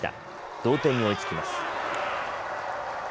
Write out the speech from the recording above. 同点に追いつきます。